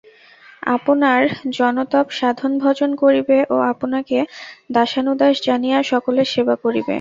আপনার জপতপ সাধন ভজন করিবে ও আপনাকে দাসানুদাস জানিয়া সকলের সেবা করিবে।